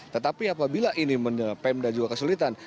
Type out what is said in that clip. tetapi apabila ini pemda juga kesulitan